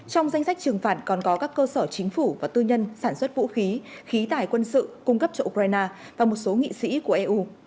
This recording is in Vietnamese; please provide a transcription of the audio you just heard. trong danh sách trừng phạt còn có các cơ sở chính phủ và tư nhân sản xuất vũ khí khí tải quân sự cung cấp cho ukraine và một số nghị sĩ của eu